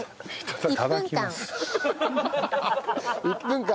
１分間。